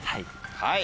はい。